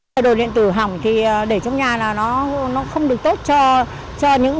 cái đồ điện tử hỏng thì để trong nhà là nó không được tốt cho những